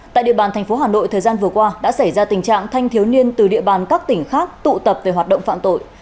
tại địa bàn thành phố hà nội thời gian vừa qua đã xảy ra tình trạng thanh thiếu niên từ địa bàn các tỉnh khác tụ tập về hoạt động phạm tội